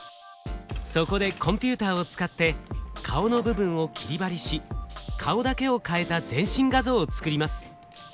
そこでコンピューターを使って顔の部分を切り貼りし顔だけを替えた全身画像を作ります。